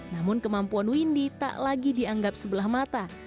namun kemampuan windy tak lagi dianggap sebelah mata